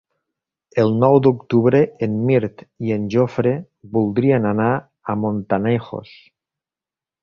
El nou d'octubre en Mirt i en Jofre voldrien anar a Montanejos.